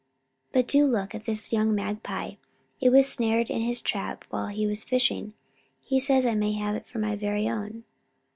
But do look at this young magpie. It was snared in his trap while he was fishing. He says I may have it for my very own.